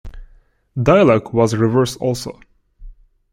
Dialogue was reversed also.